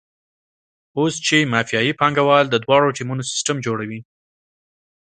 اوس چې مافیایي پانګوال د دواړو ټیمونو سیستم جوړوي.